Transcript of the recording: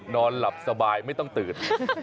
นอนหลับสบายไม่ต้องตื่น